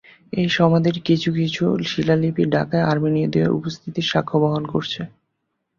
এসব সমাধির কিছু কিছু শিলালিপি ঢাকায় আর্মেনীয়দের উপস্থিতির সাক্ষ্য বহন করছে।